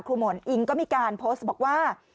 หมอนอิงก็มีการโพสต์บอกว่า